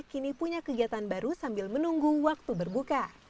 kini punya kegiatan baru sambil menunggu waktu berbuka